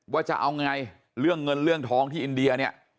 ว่าจะเอาไงเรื่องเงินเรื่องทองที่อินเดียเนี่ย